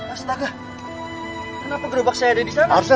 astaga kenapa kerubah saya ada disana